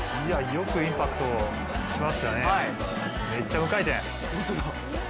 よくインパクトしましたね、めっちゃ無回転！